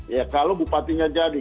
ya kalau bupatinya jadi